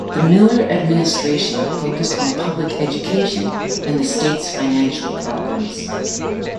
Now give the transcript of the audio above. The Miller administration focused on public education and the state's financial problems.